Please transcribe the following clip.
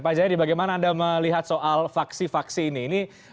pak jayadian bagaimana anda melihat soal vaksi vaksi ini